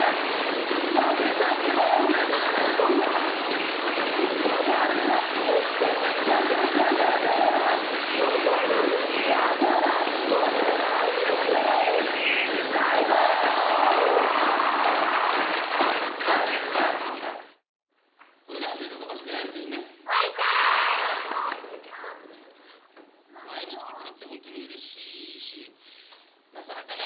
いつも会いに来てくれてほんとにうれしいしなかなかね